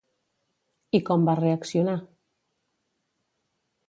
I com va reaccionar?